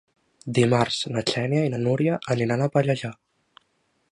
Dimarts na Xènia i na Núria aniran a Pallejà.